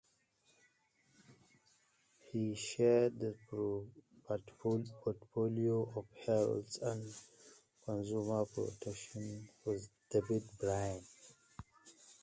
He shared the portfolio of Health and Consumer Protection with David Byrne.